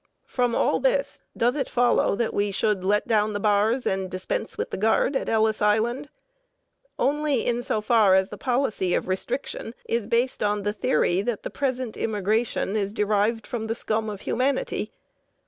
From all this does it follow that we should let down the bars and dispense with the guard at Ellis Island? Only in so far as the policy of restriction is based on the theory that the present immigration is derived from the scum of humanity.